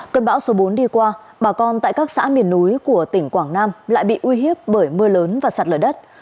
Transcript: cơn bão số bốn đi qua bà con tại các xã miền núi của tỉnh quảng nam lại bị uy hiếp bởi mưa lớn và sạt lở đất